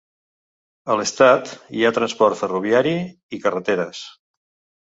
A l'Estat hi ha transport ferroviari i carreteres.